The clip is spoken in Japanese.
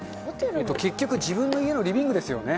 結局、自分の家のリビングですよね。